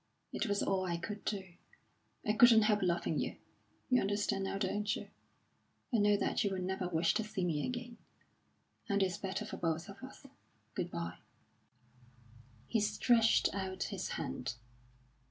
It was all I could do. I couldn't help loving you. You understand now, don't you? I know that you will never wish to see me again, and it's better for both of us. Good bye." He stretched out his hand.